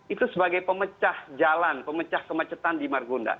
itu sebagai pemecah jalan pemecah kemacetan di margonda